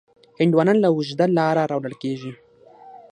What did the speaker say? هندوانه له اوږده لاره راوړل کېږي.